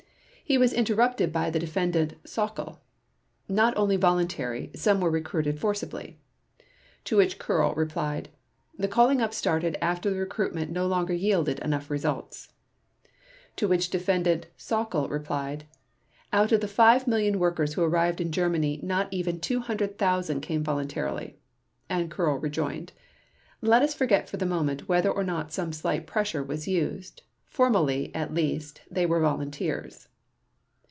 He was interrupted by the Defendant Sauckel: "Not only voluntary, some were recruited forcibly." To which Koehrl replied: "The calling up started after the recruitment no longer yielded enough results." To which the Defendant Sauckel replied: "Out of the five million workers who arrived in Germany, not even 200,000 came voluntarily", and Koehrl rejoined: "Let us forget for the moment whether or not some slight pressure was used. Formally, at least, they were volunteers."